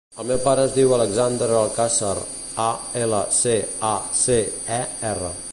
El meu pare es diu Alexander Alcacer: a, ela, ce, a, ce, e, erra.